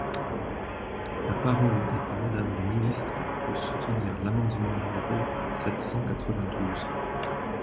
La parole est à Madame la ministre, pour soutenir l’amendement numéro sept cent quatre-vingt-douze.